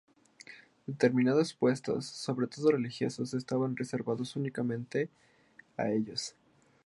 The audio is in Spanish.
Determinados puestos, sobre todo religiosos, estaban reservados únicamente a ellos.